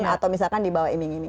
atau misalkan dibawah ini ini